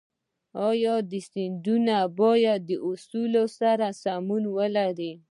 دا سندونه باید د اصولو سره سمون ولري.